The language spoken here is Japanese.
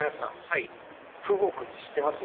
はいプゴクって知ってます？